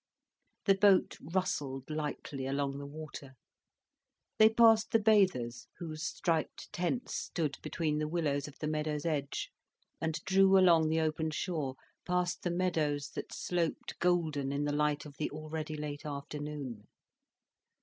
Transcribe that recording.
The boat rustled lightly along the water. They passed the bathers whose striped tents stood between the willows of the meadow's edge, and drew along the open shore, past the meadows that sloped golden in the light of the already late afternoon.